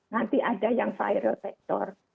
nanti ada yang viral sektor